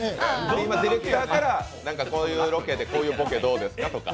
今、ディレクターからこういうロケでこういうボケどうですかとか。